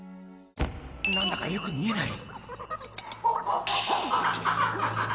「何だかよく見えない」